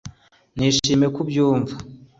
nishimiye ko ubyumva